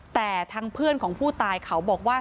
แต่ทางเพื่อนของผู้ตายเขาบอกว่า